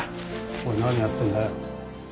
おい何やってんだよ？